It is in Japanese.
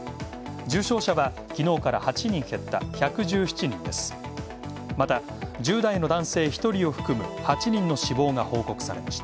重症者はきのうから８人減った１１７人です。